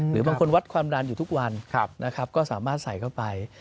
หรือบางคนวัดความดันอยู่ทุกวันนะครับก็สามารถใส่เข้าไป